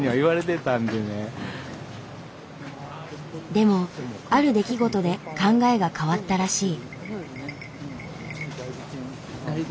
でもある出来事で考えが変わったらしい。